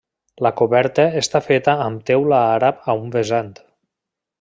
La coberta està feta amb teula àrab a un vessant.